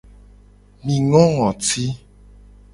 Mi ngo ngoti.